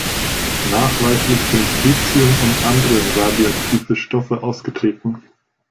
Nachweislich sind Tritium und andere radioaktive Stoffe ausgetreten.